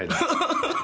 ハハハハ。